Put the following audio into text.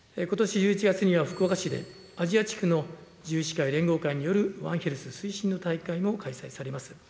ことし１１月には福岡市で、アジア地区の獣医師会連合会によるワンヘルス推進の大会も開催されます。